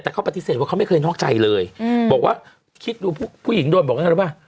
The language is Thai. แต่เขาปฏิเสธว่าเขาไม่เคยนอกใจเลยบอกว่าคิดดูผู้หญิงโดนบอกว่าไงรู้ป่ะ